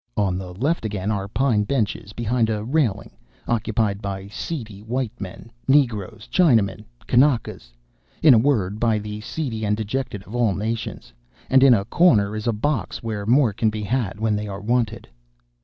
On the left again are pine benches behind a railing, occupied by seedy white men, negroes, Chinamen, Kanakas in a word, by the seedy and dejected of all nations and in a corner is a box where more can be had when they are wanted.